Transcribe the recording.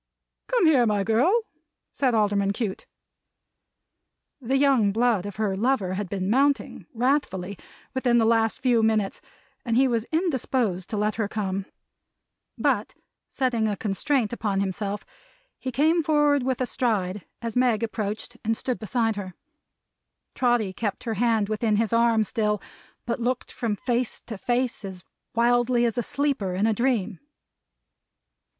"Come here, my girl!" said Alderman Cute. The young blood of her lover had been mounting, wrathfully, within the last few minutes; and he was indisposed to let her come. But, setting a constraint upon himself, he came forward with a stride as Meg approached and stood beside her. Trotty kept her hand within his arm still, but looked from face to face as wildly as a sleeper in a dream.